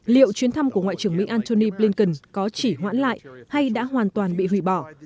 liệu chuyến thăm của ngoại trưởng mỹ antony blinken có chỉ hoãn lại hay đã hoàn toàn bị hủy bỏ